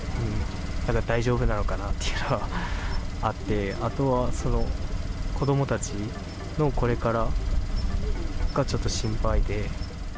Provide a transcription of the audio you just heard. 大丈夫なのかなっていうのはあって、あとは子どもたちのこれからがちょっと心配で。